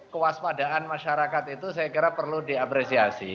kewaspadaan masyarakat itu saya kira perlu diapresiasi